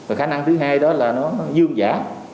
và khả năng thứ hai đó là nó dương giả